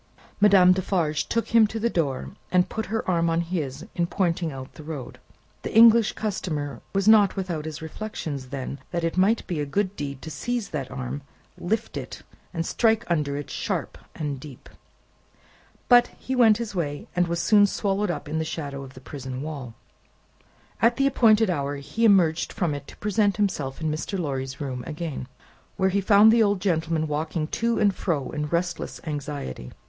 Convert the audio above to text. Madame Defarge took him to the door, and put her arm on his, in pointing out the road. The English customer was not without his reflections then, that it might be a good deed to seize that arm, lift it, and strike under it sharp and deep. But, he went his way, and was soon swallowed up in the shadow of the prison wall. At the appointed hour, he emerged from it to present himself in Mr. Lorry's room again, where he found the old gentleman walking to and fro in restless anxiety.